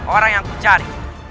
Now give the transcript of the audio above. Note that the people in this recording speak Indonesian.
orang yang ku cari